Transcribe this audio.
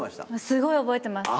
すごい覚えてます。